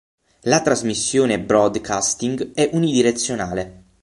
La trasmissione broadcasting è unidirezionale.